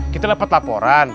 kita dapat laporan